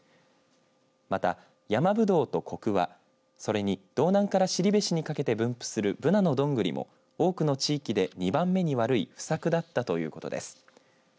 また、ヤマブドウとコクワそれに道南から後志にかけて分布するぶなのどんぐりも多くの地域で２番目に悪い不作だったということです。